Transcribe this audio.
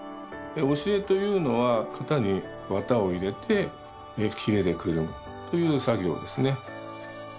押絵というのは型に綿を入れてきれでくるむという作業ですね。